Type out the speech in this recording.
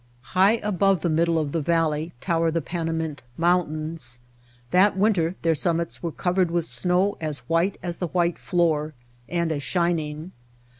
High above the middle of the valley tower the Panamint Mountains. That winter their summits were covered with snow as white as the white floor, and as shining.